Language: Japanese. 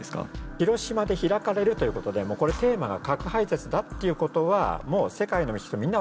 広島で開かれるということでこれテーマが核廃絶だっていうことはもう世界の人みんな分かる。